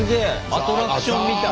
アトラクションみたい。